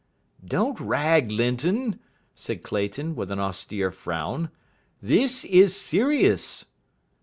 "Don't rag, Linton," said Clayton, with an austere frown. "This is serious."